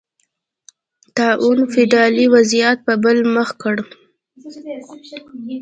طاعون فیوډالي وضعیت په بل مخ کړ